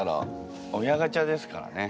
「親ガチャ」ですからね。